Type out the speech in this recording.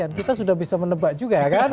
karena itu sudah bisa menebak juga ya kan